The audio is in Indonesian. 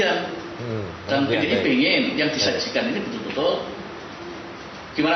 dan kita ingin yang disajikan ini betul betul